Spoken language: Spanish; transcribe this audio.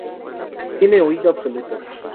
Tiene oído absoluto.